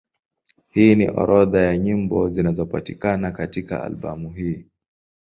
Hii ni orodha ya nyimbo zinazopatikana katika albamu hii.